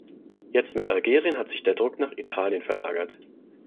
Jetzt mit Algerien hat sich der Druck nach Italien verlagert.